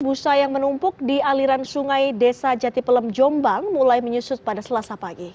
busa yang menumpuk di aliran sungai desa jati pelem jombang mulai menyusut pada selasa pagi